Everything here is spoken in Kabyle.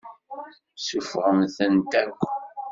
Suffɣemt-tent akk.